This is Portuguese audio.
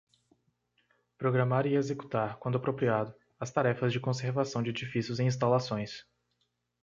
Programar e executar, quando apropriado, as tarefas de conservação de edifícios e instalações.